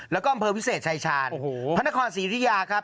แล้วก็อำเภอวิเศษชายชาญพระนครศรียุธิยาครับ